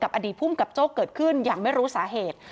อดีตภูมิกับโจ้เกิดขึ้นอย่างไม่รู้สาเหตุ